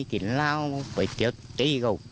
กินเหล้าไปเตรียวตีก้าว